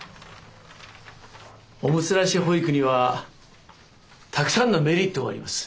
オムツなし保育にはたくさんのメリットがあります。